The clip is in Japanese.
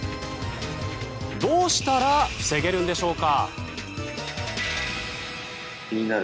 どうしたら防げるんでしょうか。